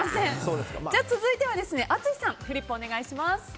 続いては淳さんフリップをお願いします。